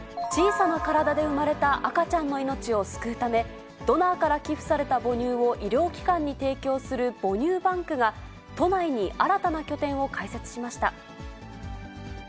小さな体で生まれた赤ちゃんの命を救うため、ドナーから寄付された母乳を医療機関に提供する母乳バンクが都内に新たな拠点を開設しました。